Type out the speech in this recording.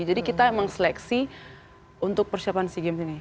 jadi kita emang seleksi untuk persiapan si game ini